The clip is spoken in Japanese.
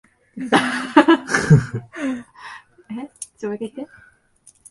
今、声優は大人気の職業らしい。